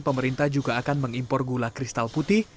pemerintah juga akan mengimpor gula kristal putih